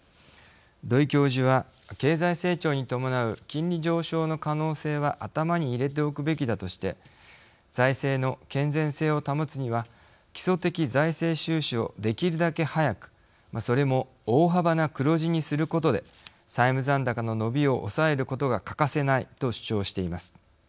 土居教授は経済成長に伴う金利上昇の可能性は頭に入れておくべきだとして財政の健全性を保つには基礎的財政収支をできるだけ早くそれも大幅な黒字にすることで債務残高の伸びを抑えることが欠かせないと主張しています。